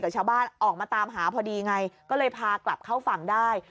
ชาวบ้านออกมาตามหาพอดีไงก็เลยพากลับเข้าฝั่งได้